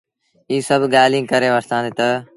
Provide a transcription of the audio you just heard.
اي سڀ ڳآليٚنٚ ڪري وٺتآندي تا